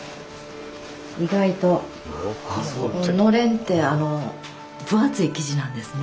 意外とのれんって分厚い生地なんですね。